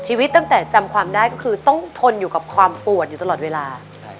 ตั้งแต่จำความได้ก็คือต้องทนอยู่กับความปวดอยู่ตลอดเวลา